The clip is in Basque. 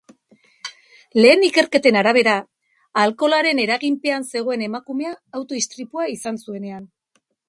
Lehen ikerketen arabera, alkoholaren eraginpean zegoen emakumea auto-istripua izan zuenean.